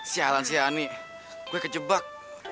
sialan sialan nih gua kejebak